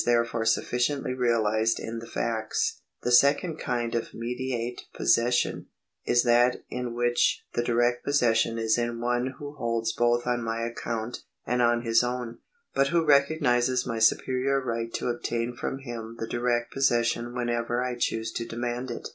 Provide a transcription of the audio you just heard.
pp. 697 701. 252 § 101] POSSESSION 253 The second kind of mediate possession is that iii which the direct possession is in one who holds both on my account and on his own, but who recognises my superior right to obtain from him the direct possession whenever I choose to demand it.